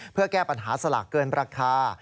เพื่อแก้ปัญหาสลากเกินราคา